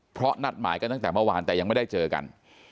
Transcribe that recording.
เพราะนัดหมายกันตั้งแต่เมื่อวานแต่ยังไม่ได้เจอกัน